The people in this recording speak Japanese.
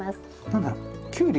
何だろう？